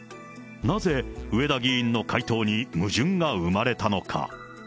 なぜ上田議員の回答に矛盾が生まれたのか。